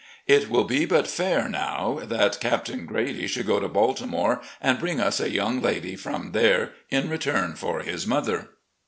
It will be but fair now that Captain Grady should go to Baltimore and bring us a young lady from there in return for his mother.